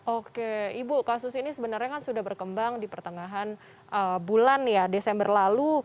oke ibu kasus ini sebenarnya kan sudah berkembang di pertengahan bulan ya desember lalu